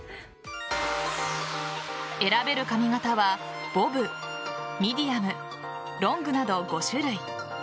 選べる髪形はボブ、ミディアム、ロングなど５種類。